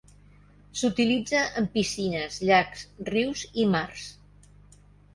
S'utilitza en piscines, llacs, rius i mars.